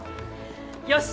よし！